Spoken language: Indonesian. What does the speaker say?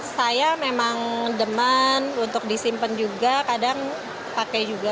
saya memang deman untuk disimpan juga kadang pake juga